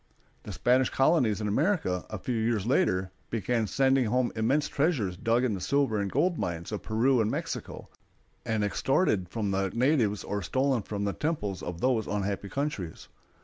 The Spanish colonies in America, a few years later, began sending home immense treasures dug in the silver and gold mines of Peru and Mexico, and extorted from the natives or stolen from the temples of those unhappy countries.